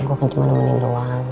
gue kayak cuma nemenin doang